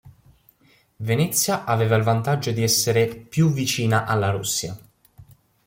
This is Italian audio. Venezia aveva il vantaggio di essere "più vicina alla Russia".